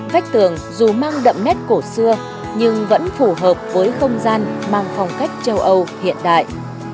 vách tường dù mang đậm nét cổ xưa nhưng vẫn phù hợp với không gian mang phong cách châu âu hiện đại